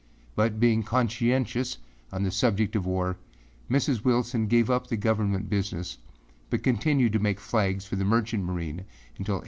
But being conscientious on the subject of war, Mrs. Wilson gave up the Government business but continued to make flags for the merchant marine until 1857.